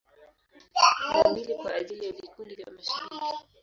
Na mbili kwa ajili ya vikundi vya mashabiki.